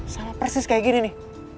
sama persis kayak gini nih